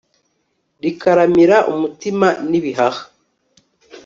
rikaramira umutima nibihaha